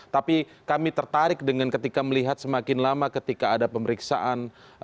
tapi kami tertarik dengan ketika melihat semakin lama ketika ada pemeriksaan